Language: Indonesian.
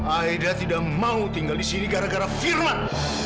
ayah tidak mau tinggal di sini gara gara firman